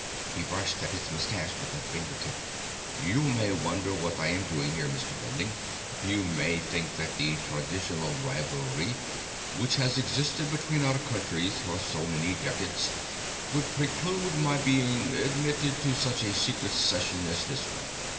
He brushed at his mustache with a fingertip. "You may wonder what I am doing here, Mr. Bending. You might think that the traditional rivalry which has existed between our countries for so many decades would preclude my being admitted to such a secret session as this one.